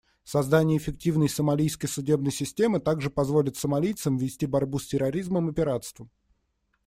Создание эффективной сомалийской судебной системы также позволит сомалийцам вести борьбу с терроризмом и пиратством.